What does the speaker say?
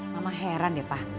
mama heran deh pak